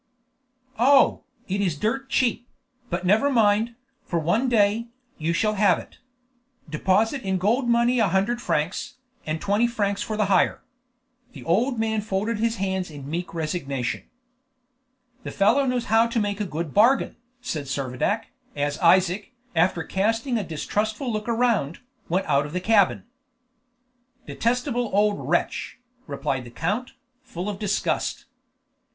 "Oh, it is dirt cheap; but never mind, for one day, you shall have it. Deposit in gold money a hundred francs, and twenty francs for the hire." The old man folded his hands in meek resignation. "The fellow knows how to make a good bargain," said Servadac, as Isaac, after casting a distrustful look around, went out of the cabin. "Detestable old wretch!" replied the count, full of disgust.